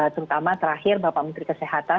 terutama terakhir bapak menteri kesehatan